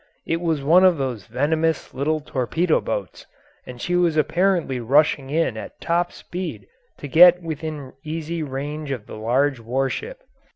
It was one of those venomous little torpedo boats, and she was apparently rushing in at top speed to get within easy range of the large warship.